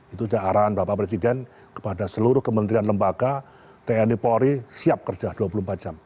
itu sudah arahan bapak presiden kepada seluruh kementerian lembaga tni polri siap kerja dua puluh empat jam